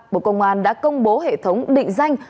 bộ công an đã công bố hệ thống định danh